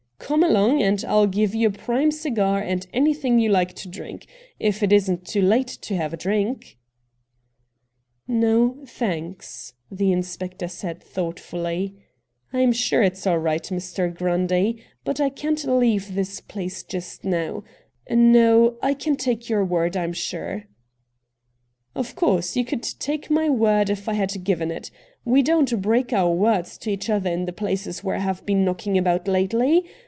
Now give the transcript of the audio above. Come along, and I'll give you a prime cigar and anything you like to drink — if it isn't too late to have a drink.' MR. RATT GUNDY 131 'No, thanks,' the inspector said thought fully. 'I'm sure it's all right, Mr. Grundy, but I can't leave this place just now. No ; I can take your word, I am sure.' ' Of course, you could take my word if I had given it. We don't break our words to each other in the places where I have been knocking about lately.